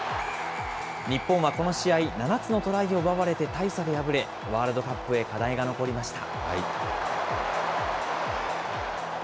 日本はこの試合、７つのトライを奪われて大差で敗れ、ワールドカップへ課題が残りました。